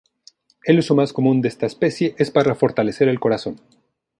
El uso más común de esta especie es para fortalecer el corazón.